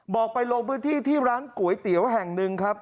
ไปลงพื้นที่ที่ร้านก๋วยเตี๋ยวแห่งหนึ่งครับ